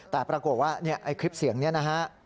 แต่ปรากฏว่าคลิปเสียงนี้นะฮะ